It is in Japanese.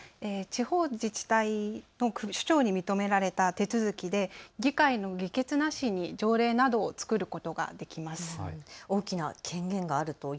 地方自治体の首長に認められた手続きで議会の議決なしで条例を作ることができる手続きです。